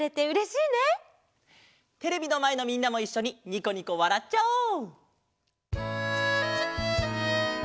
テレビのまえのみんなもいっしょににこにこわらっちゃおう！